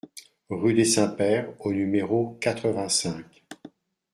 Rue des Saints-Pères au numéro quatre-vingt-cinq